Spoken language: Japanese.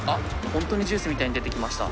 本当にジュースみたいに出てきました。